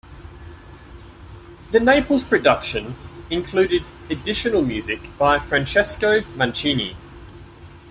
The Naples production included additional music by Francesco Mancini.